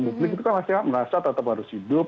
publik itu kan masih merasa tetap harus hidup